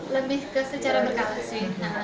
lebih ke secara berkata sih